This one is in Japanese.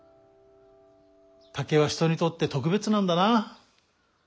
竹は人にとってとくべつなんだな。